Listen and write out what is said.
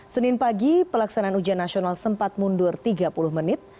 senin pagi pelaksanaan ujian nasional sempat mundur tiga puluh menit